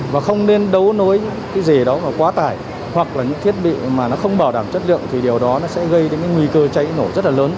và không nên đấu nối cái gì đó và quá tải hoặc là những thiết bị mà nó không bảo đảm chất lượng thì điều đó nó sẽ gây đến nguy cơ cháy nổ rất là lớn